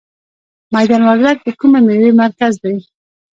میدان وردګ د کومې میوې مرکز دی؟